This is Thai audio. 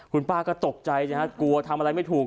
คุณป้าก็ตกใจใช่ไหมฮะกลัวทำอะไรไม่ถูก